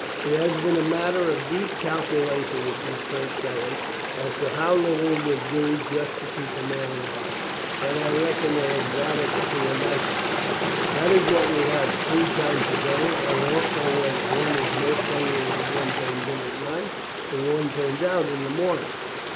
"It has been a matter of deep calculation with these French fellows as to how little would do just to keep a man alive, and I reckon they have got it to a nicety. This is what we have three times a day, and I don't know whether one is most hungry when one turns in at night, or when one turns out in the morning.